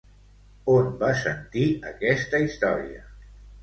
On va sentir aquesta història?